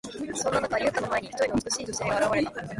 そんな中、ユウタの前に、一人の美しい女性が現れた。